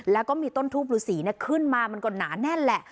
แล้วก็มีต้นทูบรูสีขึ้นมามันก็หนาแน่นแหละ